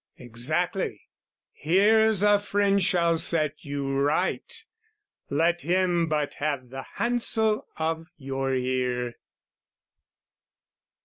Exactly! Here's a friend shall set you right, Let him but have the handsel of your ear.